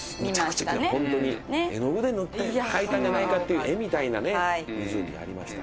西村：ホントに、絵の具で塗って描いたんじゃないかっていう絵みたいなね、湖がありました。